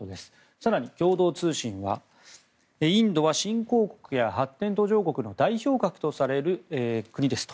更に、共同通信はインドは新興国や発展途上国の代表格とされる国ですと。